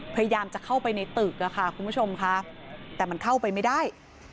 พยายามจะเข้าไปในตึกอะค่ะคุณผู้ชมค่ะแต่มันเข้าไปไม่ได้